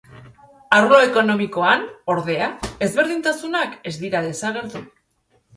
Arlo ekonomikoan, ordea, ezberdintasunak ez dira desagertu.